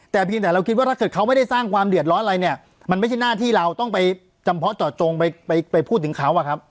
แต่เพียงแต่เราคิดว่าถ้าเกิดเขาไม่ได้สร้างความเดือดร้อนอะไรเนี่ยมันไม่ใช่หน้าที่เราต้องไปจำเพาะเจาะจงไปไปพูดถึงเขาอะครับ